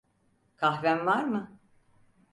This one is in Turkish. Kahven var mı?